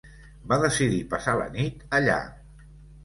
Va decidir passar la nit allà.